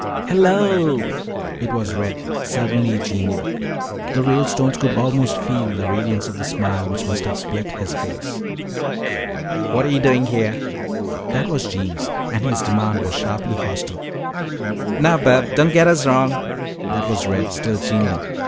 "Hello." It was Red, suddenly genial. The Ralestones could almost feel the radiance of the smile which must have split his face. "Whatta yo' doin' heah?" That was Jeems, and his demand was sharply hostile. "Now, bub, don't get us wrong." That was Red, still genial.